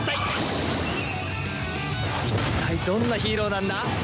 いったいどんなヒーローなんだ？